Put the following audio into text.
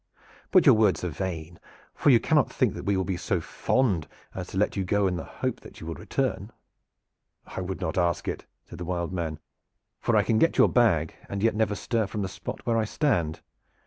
But your words are vain, for you cannot think that we will be so fond as to let you go in the hope that you return?" "I would not ask it," said the "Wild Man," "for I can get your bag and yet never stir from the spot where I stand.